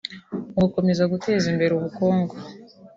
Mu gukomeza guteza imbere ubukungu